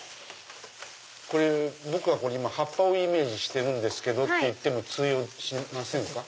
僕は葉っぱをイメージしてるって言っても通用しませんか？